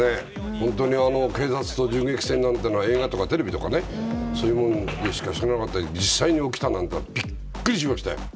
本当に警察と銃撃戦というのは映画とかテレビとかそういうものでしか知らなかったけど実際に起きたなんてビックリしましたよ。